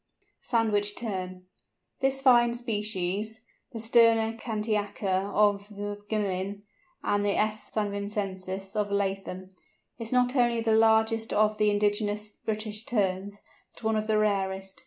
SANDWICH TERN. This fine species—the Sterna cantiaca of Gmelin, and the S. sandvicensis of Latham—is not only the largest of the indigenous British Terns, but one of the rarest.